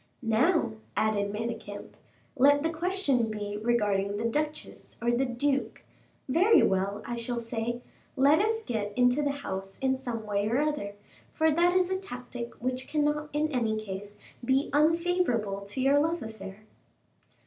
"Now," added Manicamp, "let the question be regarding the Duchess or the Duke ; very well, I shall say: Let us get into the house in some way or other, for that is a tactic which cannot in any case be unfavorable to your love affair."